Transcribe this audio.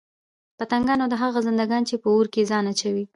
پتنگان او هغه خزندګان چې په اور كي ځان اچوي